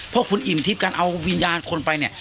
พวกคุณอิ่มทริปการเอาวิญญาณคนไปเนี่ย